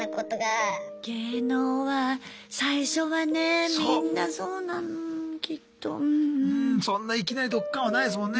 芸能は最初はねみんなそうなのきっとうんうん。そんないきなりドッカーンはないですもんね。